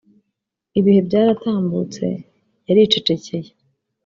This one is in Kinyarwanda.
Ibihe byaratambutse yaricecekeye